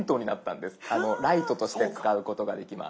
ライトとして使うことができます。